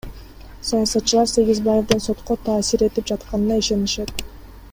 Саясатчылар Сегизбаевдин сотко таасир этип жатканына ишенишет.